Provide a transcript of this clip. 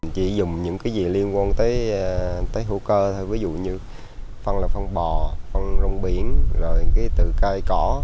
chỉ dùng những cái gì liên quan tới hữu cơ thôi ví dụ như phân là phân bò phân rồng biển rồi cái tự cây cỏ